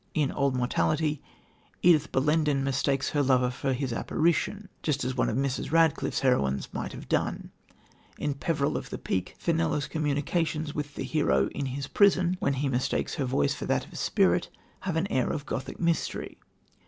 In Old Mortality, Edith Bellenden mistakes her lover for his apparition, just as one of Mrs. Radcliffe's heroines might have done. In Peveril of the Peak, Fenella's communications with the hero in his prison, when he mistakes her voice for that of a spirit, have an air of Gothic mystery.